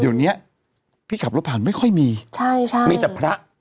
เดี๋ยวเนี้ยพี่ขับรถผ่านไม่ค่อยมีใช่ใช่มีแต่พระ